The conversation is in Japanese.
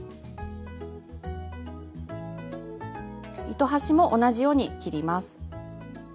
糸端も同じように切ります。